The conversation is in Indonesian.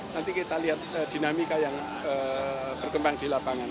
nanti kita lihat dinamika yang berkembang di lapangan